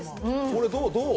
これどう？